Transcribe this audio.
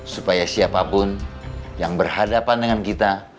supaya siapapun yang berhadapan dengan kita